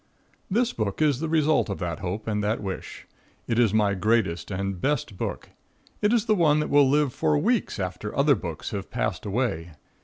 This book is the result of that hope and that wish. It is my greatest and best book. It is the one that will live for weeks after other books have passed away.